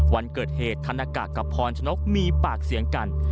วันเกิดเหตุธนากะกับพรชนกมีปากเสียงกัน